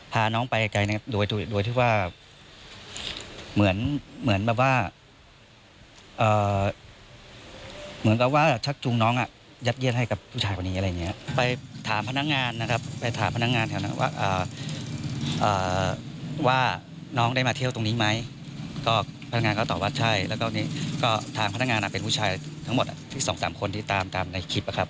เท่านี้ทางพนักงานเป็นผู้ชายทั้งหมด๑๒๑๓คนที่ตามในคลิปนะครับ